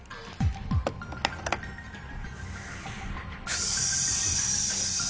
よし！